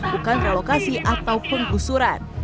bukan relokasi atau penggusuran